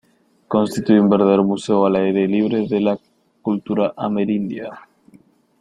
Constituye un verdadero museo al aire libre de la cultura amerindia.